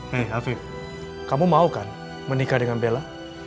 hei afif kamu mau kan menikah dengan bella